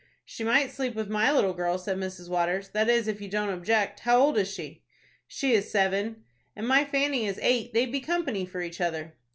"She might sleep with my little girl," said Mrs. Waters; "that is, if you don't object. How old is she?" "She is seven." "And my Fanny is eight. They'd be company for each other."